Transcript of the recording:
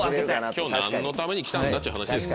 今日何のために来たんだっちゅう話です。